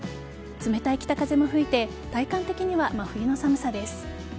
冷たい北風も吹いて体感的には真冬の寒さです。